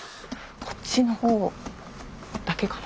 こっちのほうだけかな。